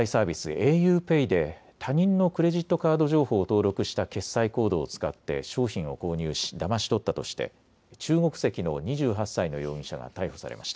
ａｕＰＡＹで他人のクレジットカード情報を登録した決済コードを使って商品を購入しだまし取ったとして中国籍の２８歳の容疑者が逮捕されました。